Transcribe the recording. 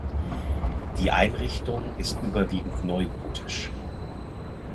Die Einrichtung ist überwiegend neugotisch.